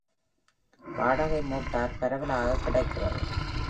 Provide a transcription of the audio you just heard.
வாடகை மோட்டார், பரவலாக கிடைக்கிறது.